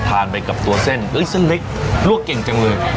ไปกับตัวเส้นเอ้ยเส้นเส้นเล็กลวกเก่งจังเลย